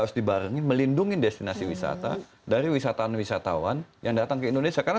harus dibarengi melindungi destinasi wisata dari wisatawan wisatawan yang datang ke indonesia karena